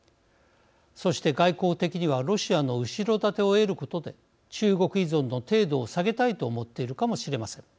そして外交的にはロシアの後ろ盾を得ることで中国依存の程度を下げたいと思っているかもしれません。